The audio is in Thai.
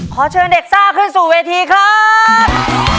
ขอเชิญเด็กซ่าขึ้นสู่เวทีครับ